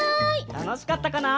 たのしかったかな？